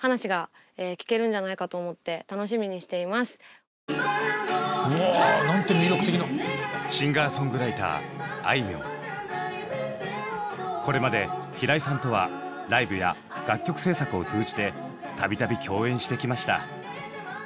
これまで平井さんとはライブや楽曲制作を通じてたびたび共演してきました。